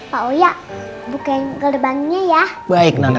pak oya bukain gelombangnya ya